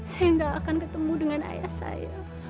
saya nggak akan ketemu dengan ayah saya